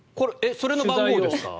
それの番号ですか？